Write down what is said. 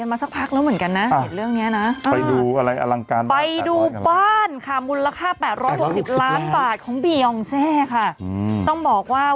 ผมก็มีการถามกติกกติกก็บอกว่า